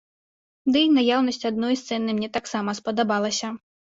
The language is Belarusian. Ды і наяўнасць адной сцэны мне таксама спадабалася.